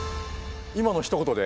今のひと言で？